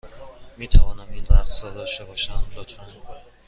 می توانم این رقص را داشته باشم، لطفا؟